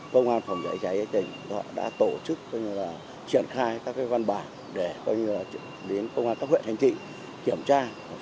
công an phòng cháy chữa cháy đã tổ chức triển khai các văn bản để đến công an các huyện hành trị kiểm tra